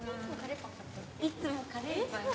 いつもカレーパン。